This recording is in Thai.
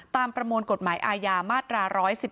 ประมวลกฎหมายอาญามาตรา๑๑๒